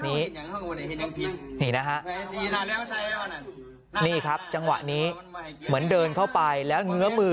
นี้นี่นะฮะนี่ครับจังหวะนี้เหมือนเดินเข้าไปแล้วเงื้อมือ